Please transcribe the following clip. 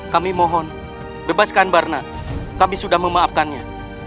kami mohon bebaskan barna kami sudah memaafkannya